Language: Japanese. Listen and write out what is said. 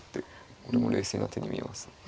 これも冷静な手に見えますね。